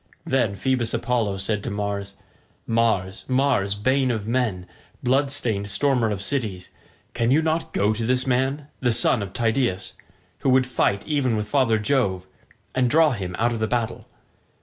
Then Phoebus Apollo said to Mars, "Mars, Mars, bane of men, blood stained stormer of cities, can you not go to this man, the son of Tydeus, who would now fight even with father Jove, and draw him out of the battle?